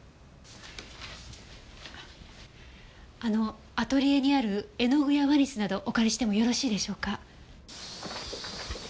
あのアトリエにある絵の具やワニスなどお借りしてもよろしいでしょうか？